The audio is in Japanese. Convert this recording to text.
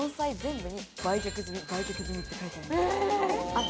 売却済み売却済みって書いてある。